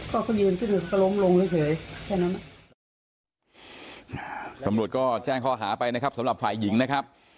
เขาก็ยืนขึ้นหรือล้มลงเลยเฉยแค่นั้นอ่ะอ่าสำหรับฝ่ายหญิงนะครับ